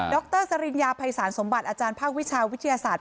รสริญญาภัยศาลสมบัติอาจารย์ภาควิชาวิทยาศาสตร์